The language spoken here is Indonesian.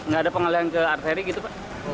nggak ada pengalian ke arteri gitu pak